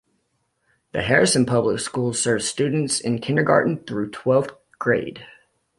The Harrison Public Schools serves students in kindergarten through twelfth grade.